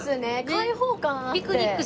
開放感あって。